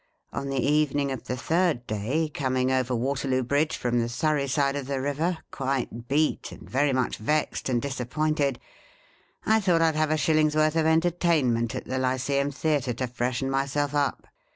On the evening of the third day, coming over Waterloo Bridge from the Surrey side of the river, quite beat, and very much vexed and disappointed, I thought I 'd have a shilling's worth of entertainment at the Lyceum Theatre to freshen myself up.